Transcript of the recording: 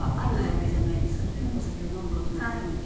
お酒を飲む事も含めて。